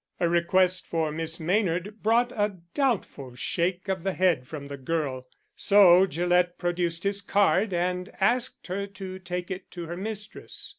A request for Miss Maynard brought a doubtful shake of the head from the girl, so Gillett produced his card and asked her to take it to her mistress.